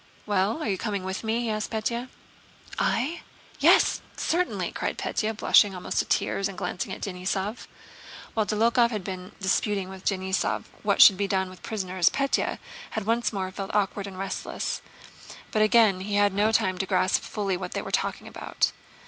Well, are you coming with me?" he asked Pétya. "I? Yes, yes, certainly!" cried Pétya, blushing almost to tears and glancing at Denísov. While Dólokhov had been disputing with Denísov what should be done with prisoners, Pétya had once more felt awkward and restless; but again he had no time to grasp fully what they were talking about.